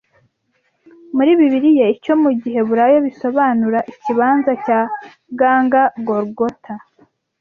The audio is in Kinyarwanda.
Muri Bibiliya icyo mu giheburayo bisobanura Ikibanza cya Gihanga Golgotha